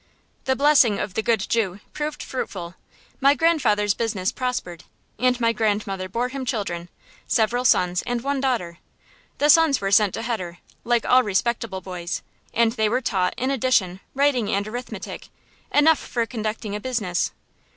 The blessing of the "good Jew" proved fruitful. My grandfather's business prospered, and my grandmother bore him children, several sons and one daughter. The sons were sent to heder, like all respectable boys; and they were taught, in addition, writing and arithmetic, enough for conducting a business.